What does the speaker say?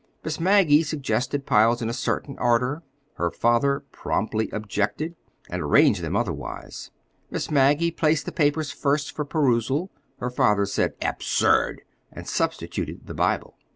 Miss Maggie suggested piles in a certain order: her father promptly objected, and arranged them otherwise. Miss Maggie placed the papers first for perusal: her father said "Absurd!" and substituted the Bible.